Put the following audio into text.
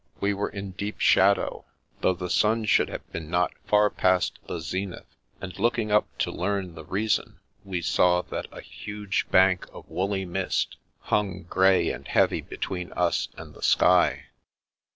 We were in deep shadow, though the sun should have been not far past the zenith, and looking up to learn the reason, we saw that a huge bank of woolly mist hung 282 The Princess Passes grey and heavy between us and the sky.